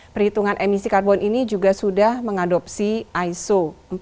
perhitungan emisi karbon ini juga sudah mengadopsi iso empat belas ribu enam puluh empat